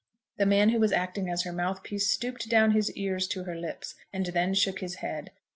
The man who was acting as her mouthpiece stooped down his ears to her lips, and then shook his head.